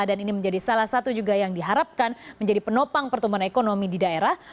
dan ini menjadi salah satu juga yang diharapkan menjadi penopang pertumbuhan ekonomi di daerah